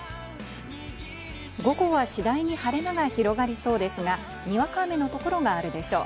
午後は次第に晴れ間が広がりそうですが、にわか雨のところがあるでしょう。